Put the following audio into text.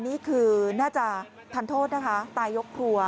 นี่คือน่าจะทันโทษนะคะตายยกครัว